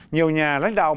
nhiều nhà lãnh đạo